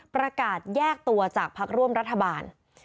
ประกาศแยกตัวจากพักร่วมรัฐบาล